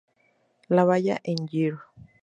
La Valla-en-Gier